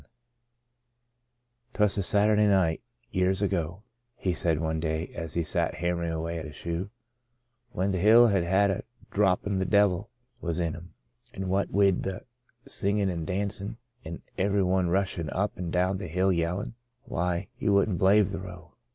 'Twas of a Sat'dy night years ago,'^ he said one day, as he sat hammering away at a shoe, " whin the Hill had had a dhrop an' the divil was in 'em ; an' what wid the singin' an' the dancin' an' ivery wan rushin' up and down the Hill yellin', why, you wouldn't b'lave the row